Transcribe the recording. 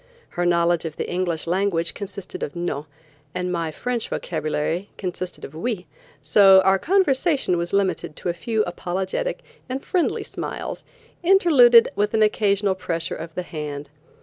Her knowledge of the English language consisted of "No" and my French vocabulary consisted of "Oui," so our conversation was limited to a few apologetic and friendly smiles interluded with an occasional pressure of the hand.